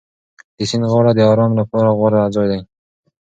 د سیند غاړه د ارام لپاره غوره ځای دی.